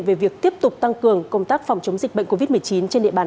về việc tiếp tục tăng cường công tác phòng chống dịch bệnh covid một mươi chín trên địa bàn